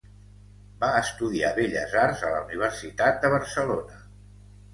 Va estudiar Belles Arts a la Universitat de Barcelona.